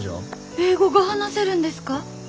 英語が話せるんですか？